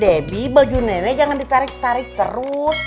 debbie baju nenek jangan ditarik tarik terus